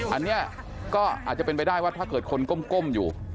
อันนี้ก็อาจจะเป็นไปได้ว่าถ้าเกิดคนก้มอยู่